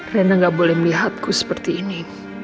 rena gak boleh melihatku seperti ini